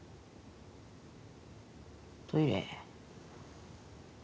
トイレ？